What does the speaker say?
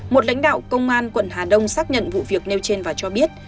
một lãnh đạo công an quận hà đông xác nhận vụ việc nêu trên và cho biết